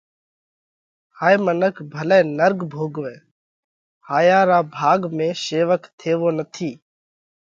ھائي منک ڀلئہ نرڳ ڀوڳوئہ ھايا را ڀاڳ ۾ شيوڪ ٿيوو نٿِي۔